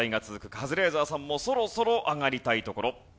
カズレーザーさんもそろそろ上がりたいところ。